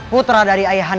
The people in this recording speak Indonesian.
putra dari ayah handi